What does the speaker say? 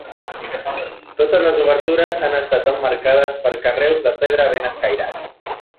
Totes les obertures han estat emmarcades per carreus de pedra ben escairats.